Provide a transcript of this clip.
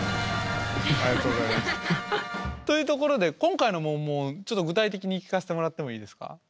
というところで今回のモンモンちょっと具体的に聞かせてもらってもいいですか？